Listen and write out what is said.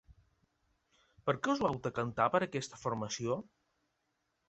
Per què us vau decantar per aquesta formació?